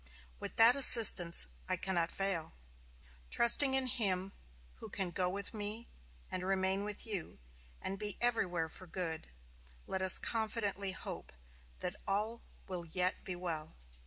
With that assistance, I cannot fail. Trusting in Him who can go with me, and remain with you, and be everywhere for good, let us confidently hope that all will yet be well.